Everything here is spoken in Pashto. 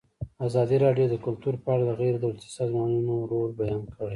ازادي راډیو د کلتور په اړه د غیر دولتي سازمانونو رول بیان کړی.